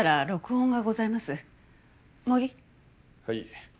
はい。